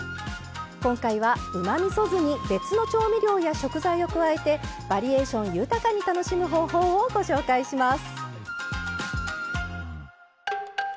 今回はうまみそ酢に別の調味料や食材を加えてバリエーション豊かに楽しむ方法をご紹介します。